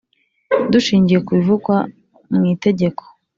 Dushingiye ku bivugwa mu Itegeko.